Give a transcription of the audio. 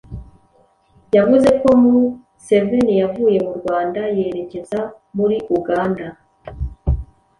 yavuze ko Museveni yavuye mu Rwanda yerekeza muri Uganda